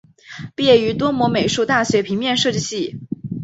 毕业于多摩美术大学平面设计系。